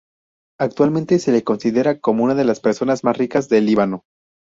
Actualmente se le considera como una de las personas más ricas del Líbano.